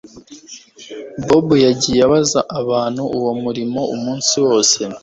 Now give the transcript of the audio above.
Bobo yagiye abaza abantu uwo murimo umunsi wose